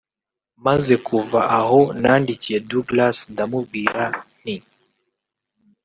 Maze kuva aho nandikiye Douglas ndamubwira nti